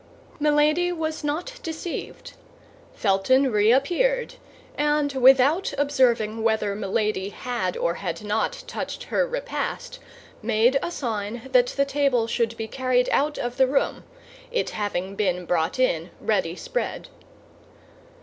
Milady was not deceived. Felton reappeared, and without observing whether Milady had or had not touched her repast, made a sign that the table should be carried out of the room, it having been brought in ready spread.